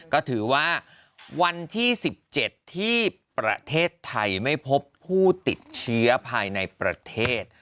ก็ถือว่าวันที่๑๗ที่ประเทศไทยไม่พบผู้ติดเชื้อภายในประเทศ